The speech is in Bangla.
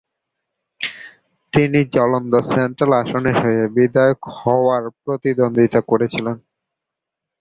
তিনি জলন্ধর সেন্ট্রাল আসনের হয়ে বিধায়ক হওয়ার প্রতিদ্বন্দ্বিতা করেছিলেন।